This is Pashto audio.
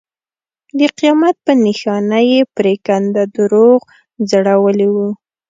د قیامت په نښانه یې پرېکنده دروغ ځړولي وو.